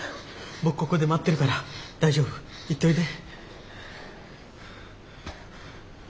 僕ここで待ってるから大丈夫行っといで。